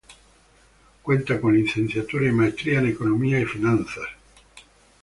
Cuenta con licenciatura y maestría en Economía y Finanzas de St.